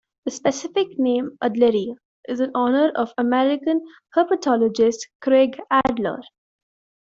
The specific name, "adleri", is in honor of American herpetologist Kraig Adler.